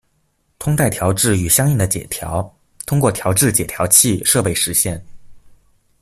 通带调制与相应的解调通过调制解调器设备实现。